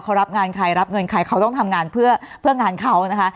เขารับงานใครรับเงินใครเขาต้องทำงานเพื่องานเขานะคะ